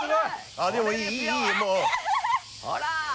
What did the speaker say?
ほら！